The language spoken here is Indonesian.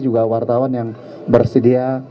juga wartawan yang bersedia